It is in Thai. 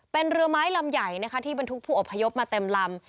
เป็นเรือไม้ลำใหญ่นะคะที่บรรทุกผู้อพยพมาเต็มลำ